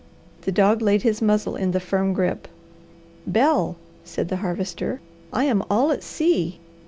The dog laid his muzzle in the firm grip. "Bel," said the Harvester, "I am all at sea.